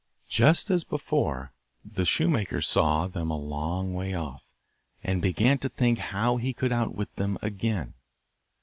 Just as before, the shoemaker saw them a long way off, and began to think how he could outwit them again.